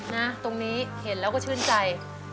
นะตรงนี้เห็นแล้วก็ชื่นใจ